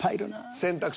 選択肢